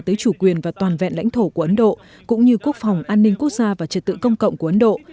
tới chủ quyền và toàn vẹn lãnh thổ của ấn độ cũng như quốc phòng an ninh quốc gia và trật tự công cộng của ấn độ